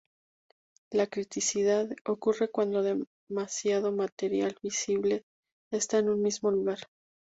La criticidad ocurre cuando demasiado material fisible está en un mismo lugar.